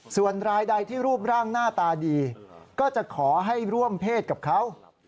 ส่วนรายใดที่รูปร่างหน้าตาดีก็จะขอให้ร่วมเพศกับเขา